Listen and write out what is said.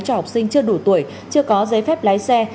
cho học sinh chưa đủ tuổi chưa có giấy phép lái xe